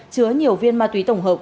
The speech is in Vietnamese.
chứa nhiều viên ma túy tổng hợp